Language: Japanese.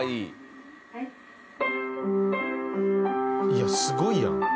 「いやすごいやん。